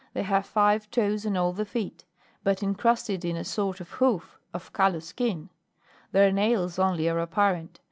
They have five toes on all the feet, but incrusted in a sort of hoof of callous skin ; their nails only are apparent.